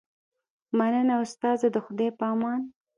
مننه استاده د خدای په امان